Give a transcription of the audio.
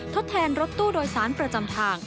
ทดแทนรถตู้โดยสารประจำทาง